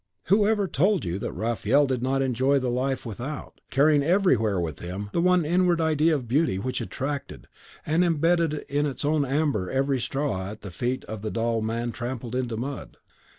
"Who ever told you that Raphael did not enjoy the life without, carrying everywhere with him the one inward idea of beauty which attracted and imbedded in its own amber every straw that the feet of the dull man trampled into mud?